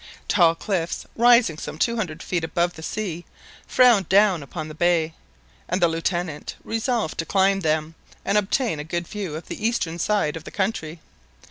Tall cliffs, rising some two hundred feet above the sea, frowned down upon the bay; and the Lieutenant resolved to climb them, and obtain a good view of the eastern side of the country.